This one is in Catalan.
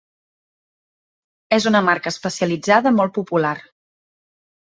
És una marca especialitzada molt popular.